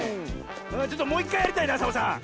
ちょっともういっかいやりたいなサボさん。